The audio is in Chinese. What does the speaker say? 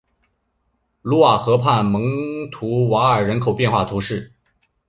卢瓦河畔蒙图瓦尔人口变化图示